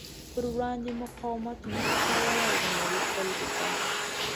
پر وړاندې مقاومت نشو کولی او د نړۍ خلکو په